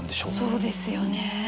そうですよね。